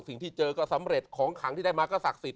สิ่งที่เจอก็สำเร็จของขังที่ได้มาก็ศักดิ์สิท